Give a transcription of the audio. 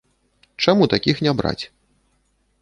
Чаму такіх не браць?